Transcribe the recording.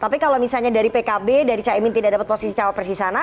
tapi kalau misalnya dari pkb dari caimin tidak dapat posisi cawapres di sana